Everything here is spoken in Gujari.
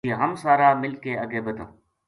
جے ہم سارا مل کے اَگے بدھاں